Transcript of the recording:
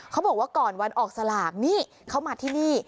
เขาบอกว่าก่อนวันออกสลากนี่เขามาที่นี่